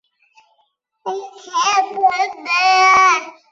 多须草科是棕榈目植物的一科。